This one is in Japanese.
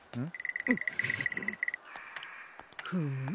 うん。